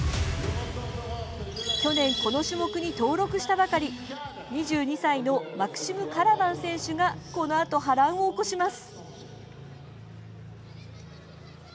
去年この種目に登録したばかり２２歳のマクシム・カラバン選手がこのあと波乱を起こします。